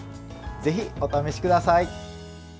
ぜひお試しください。